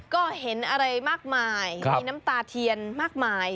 ก็เห็นอะไรมากมายมีน้ำตาเทียนมากมาย